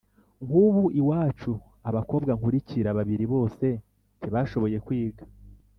Nk’ubu iwacu abakobwa nkurikira babiri bose ntibashoboye kwiga,